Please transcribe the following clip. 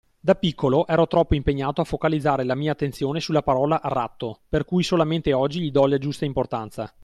Da piccolo ero troppo impegnato a focalizzare la mia attenzione sulla parola “ratto”, per cui solamente oggi gli do la giusta importanza.